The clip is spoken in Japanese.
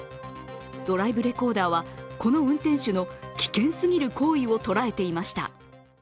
ドライブレコーダーはこの運転手の危険すぎる行為を捉えていました。